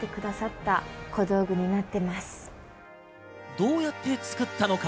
どうやって作ったのか？